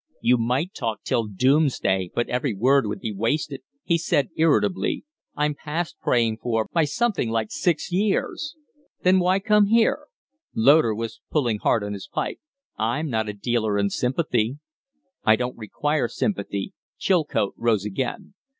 "You might talk till doomsday, but every word would be wasted," he said, irritably. "I'm past praying for, by something like six years." "Then why come here?" Loder was pulling hard on his pipe. "I'm not a dealer in sympathy." "I don't require sympathy." Chilcote rose again.